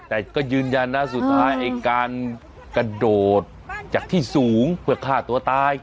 แต่ก็ยืนยันนะสุดท้ายไอ้การกระโดดจากที่สูงเพื่อฆ่าตัวตาย